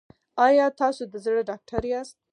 ایا تاسو د زړه ډاکټر یاست؟